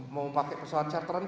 mau pakai pesawat charteran